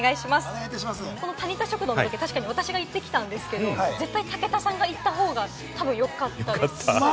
このタニタ食堂のロケ、確かに私が行ってきたんですけれども、絶対、武田さんが行った方がたぶんよかったです。